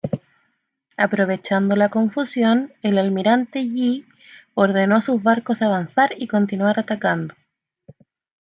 Aprovechando la confusión, el almirante Yi ordenó a sus barcos avanzar y continuar atacando.